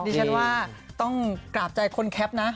ดิฉันว่าต้องกราบใจคนแคปนะ